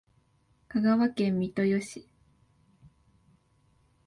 香川県三豊市